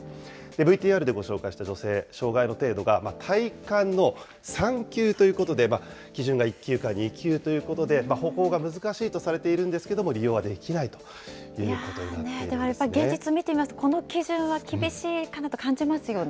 ＶＴＲでご紹介した女性、障害の程度が体幹の３級ということで、基準が１級か２級ということで、歩行が難しいとされているんですけれども、利用はできないというでもやっぱり、現実見てみますと、この基準は厳しいかなと感じますよね。